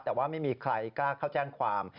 แต่ว่าไม่มีใครกล้าเข้าแจ้งความ